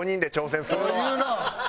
言うなあ？